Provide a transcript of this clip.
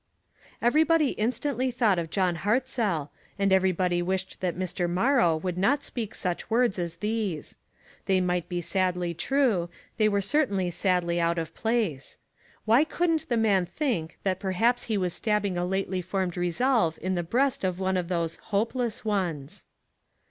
Everybody instantly thought of John Hart zell, and everybody wished that Mr. Morrow 32O ONE COMMONPLACE DAY. would not speak such words as these. They might be sadly true ; they were cer tainly sadly out of place. Why couldn't the mail think that perhaps he was stabbing a lately formed resolve in the breast of one of these " hopeless ones